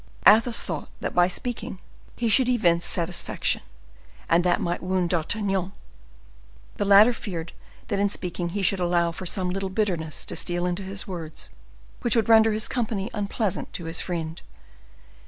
Athos thought that by speaking he should evince satisfaction, and that might wound D'Artagnan. The latter feared that in speaking he should allow some little bitterness to steal into his words which would render his company unpleasant to his friend.